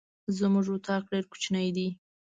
زمونږ اطاق ډير کوچنی ده.